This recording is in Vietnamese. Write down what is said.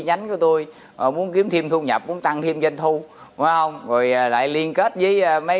nhánh của tôi muốn kiếm thêm thu nhập cũng tăng thêm doanh thu đúng không rồi lại liên kết với mấy